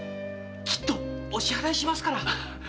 きっとお支払いしますから！